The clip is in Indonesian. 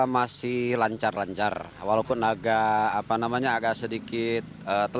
masih lancar lancar walaupun agak sedikit